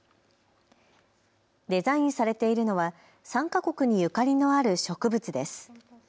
デザインされているのは３か国にゆかりのある植物です。